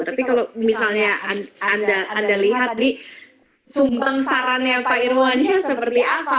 tapi kalau misalnya anda lihat di sumbang sarannya pak irwansyah seperti apa